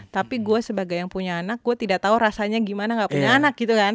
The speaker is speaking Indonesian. tapi gue sebagai yang punya anak gue tidak tahu rasanya gimana gak punya anak gitu kan